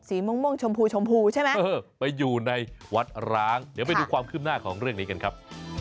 ม่วงชมพูชมพูใช่ไหมเออไปอยู่ในวัดร้างเดี๋ยวไปดูความคืบหน้าของเรื่องนี้กันครับ